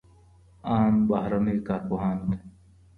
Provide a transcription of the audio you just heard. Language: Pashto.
آن بهرنیو کارپوهانو ته.